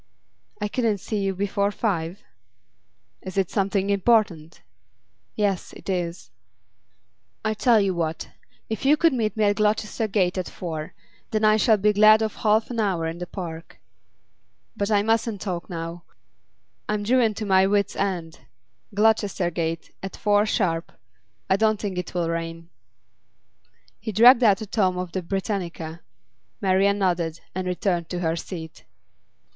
'I couldn't see you before five?' 'Is it something important?' 'Yes, it is.' 'I tell you what. If you could meet me at Gloucester Gate at four, then I shall be glad of half an hour in the park. But I mustn't talk now; I'm driven to my wits' end. Gloucester Gate, at four sharp. I don't think it'll rain.' He dragged out a tome of the 'Britannica.' Marian nodded, and returned to her seat.